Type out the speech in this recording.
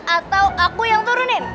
atau aku yang turunin